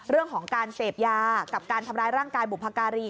เรื่องของการเสพยากับการทำร้ายร่างกายบุพการี